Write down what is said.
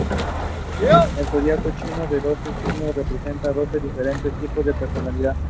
El zodiaco chino de doce signos representa doce diferentes tipos de personalidad.